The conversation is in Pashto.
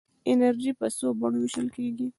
انرژي په څو بڼو ویشل کېږي.